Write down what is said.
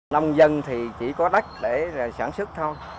nông dân thì chỉ có đất để sản xuất thôi